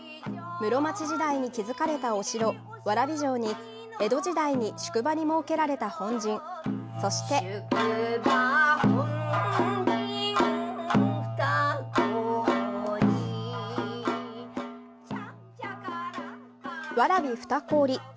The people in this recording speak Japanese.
室町時代に築かれたお城、蕨城に、江戸時代に宿場に設けられた本陣、そして。蕨双子織。